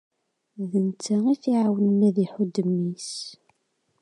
D netta i t-iɛawnen ad d-iḥudd mmi-s.